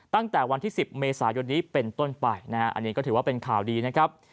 ตั้งแต่วันที่๑๐เมษายนนี้เป็นต้นไปนะฮะอันนี้ก็ถือว่าเป็นข่าวดีนะครับ